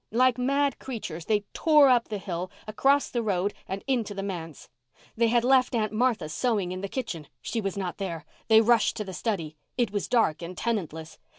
Like mad creatures they tore up the hill, across the road and into the manse. They had left Aunt Martha sewing in the kitchen. She was not there. They rushed to the study. It was dark and tenantless.